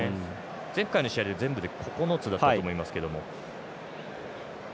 前回の試合で全部で９つだったと思いますけど。